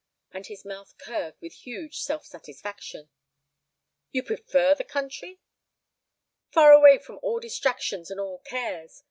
And his mouth curved with huge self satisfaction. "You prefer the country?" "Far away from all distractions and all cares.